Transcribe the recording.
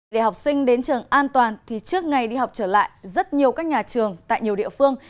để học sinh đến trường an toàn thì trước ngày đi học trở lại rất nhiều các nhà trường tại nhiều địa phương